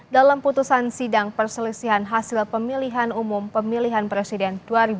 dalam putusan sidang perselisihan hasil pemilihan umum pemilihan presiden dua ribu sembilan belas